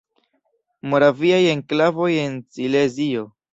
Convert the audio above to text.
Moraviaj enklavoj en Silezio.